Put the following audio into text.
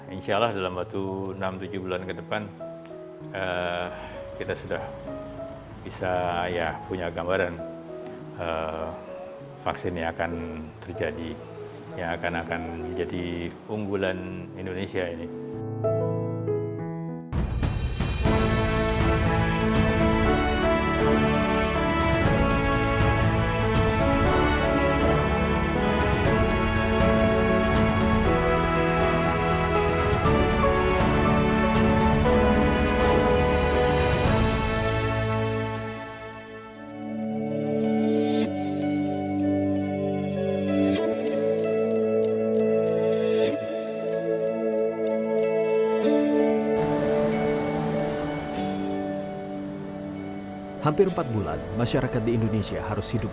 insya allah dalam waktu enam tujuh bulan ke depan kita sudah bisa punya gambaran vaksinnya akan terjadi yang akan menjadi unggulan indonesia ini